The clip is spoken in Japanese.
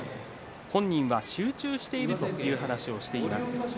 本人は集中しているという話をしています。